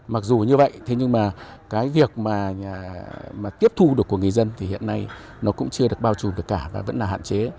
mặc dù như vậy thế nhưng mà cái việc mà tiếp thu được của người dân thì hiện nay nó cũng chưa được bao trùm được cả và vẫn là hạn chế